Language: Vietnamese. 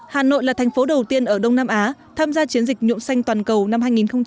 hà nội là thành phố đầu tiên ở đông nam á tham gia chiến dịch nhuộm xanh toàn cầu năm hai nghìn hai mươi